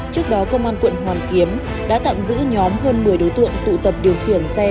trước đó công an quận hoàn kiếm đã tạm giữ nhóm hơn một mươi đối tượng tụ tập điều khiển xe